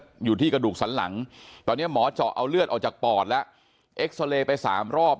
อายุ๑๐ปีนะฮะเขาบอกว่าเขาก็เห็นถูกยิงนะครับ